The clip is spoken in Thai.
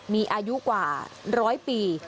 มีอายุกว่า๑๐๐ปี